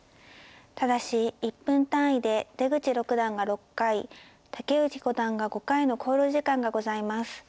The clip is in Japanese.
ただし１分単位で出口六段が６回竹内五段が５回の考慮時間がございます。